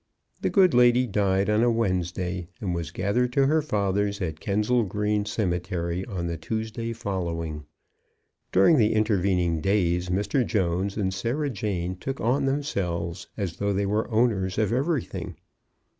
The good lady died on a Wednesday, and was gathered to her fathers at Kensal Green Cemetery on the Tuesday following. During the intervening days Mr. Jones and Sarah Jane took on themselves as though they were owners of everything.